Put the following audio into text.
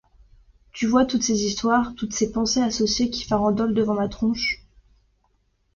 Tu vois toutes ces histoires, toutes ces pensées associées qui farandolent devant ma tronche ?